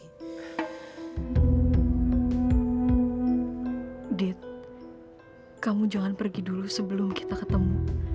dit kamu jangan pergi dulu sebelum kita ketemu